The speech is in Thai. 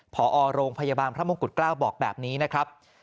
พอโรงพยาบาลพระมงกุฎเกล้าบอกแบบนี้นะครับ